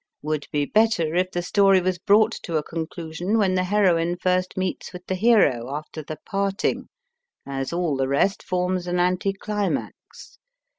Would be better if the story was brought to a conclusion when the heroine first meets with the hero after the parting, as all the rest forms an anti climax.